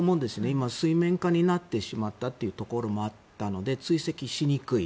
今、水面下になってしまったというところもあるので追跡しにくい。